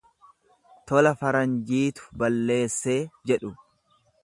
Tola faranjiitu balleessee jedhu